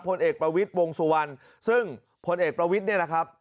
พลเอกประวิทย์วงสุวรรณซึ่งพลเอกประวิทย์เนี่ยนะครับ